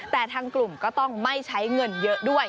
แต่ทางกลุ่มก็ต้องไม่ใช้เงินเยอะด้วย